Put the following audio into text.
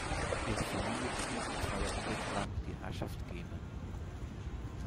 Ihre Familie behielt nun zwei Jahrhunderte lang die Herrschaft Gemen.